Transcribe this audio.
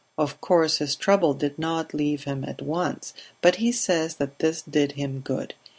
Of course his trouble did not leave him at once, but he says that this did him good.